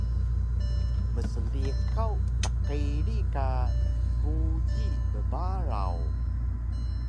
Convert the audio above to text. Mslikaw tqiri ka buji bbaraw